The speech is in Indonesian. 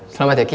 selamat ya ki